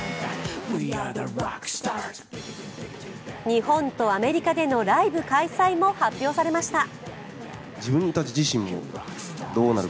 日本とアメリカでのライブ開催も発表されました。